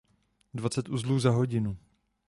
Dvacet uzlů za hodinu.